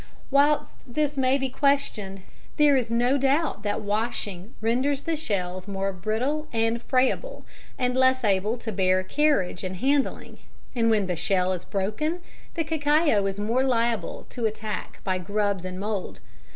Whilst this may be questioned, there is no doubt that washing renders the shells more brittle and friable, and less able to bear carriage and handling; and when the shell is broken, the cacao is more liable to attack by grubs and mould.